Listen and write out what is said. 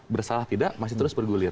bersalah tidak masih terus bergulir